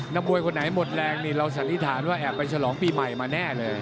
มวยคนไหนหมดแรงนี่เราสันนิษฐานว่าแอบไปฉลองปีใหม่มาแน่เลย